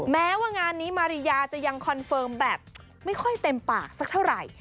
แม้ว่างานนี้มาริยาจะยังคอนเฟิร์มแบบไม่ค่อยเต็มปากสักเท่าไหร่